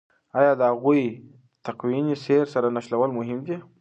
آیا د هغوی تکويني سير سره نښلول مهم دي؟